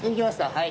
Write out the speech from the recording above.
はい。